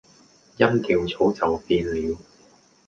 音調早已變了